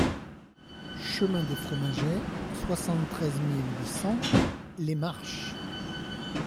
Chemin des Fromagets, soixante-treize mille huit cents Les Marches